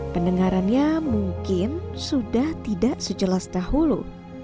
pendengarannya mungkin sudah tidak sejelas dahulu